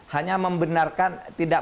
hanya membenarkan tidak